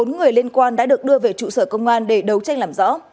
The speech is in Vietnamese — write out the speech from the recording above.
một mươi bốn người liên quan đã được đưa về trụ sở công an để đấu tranh làm rõ